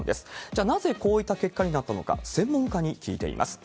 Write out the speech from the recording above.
じゃあ、なぜこういった結果になったのか、専門家に聞いています。